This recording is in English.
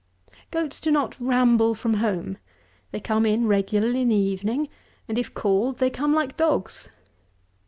191. Goats do not ramble from home. They come in regularly in the evening, and if called, they come like dogs.